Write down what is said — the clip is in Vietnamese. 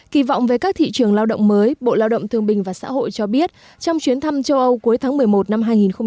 kỳ vọng về các thị trường lao động mới bộ lao động thương bình và xã hội cho biết trong chuyến thăm châu âu cuối tháng một mươi một năm hai nghìn một mươi chín